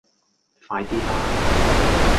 快啲啦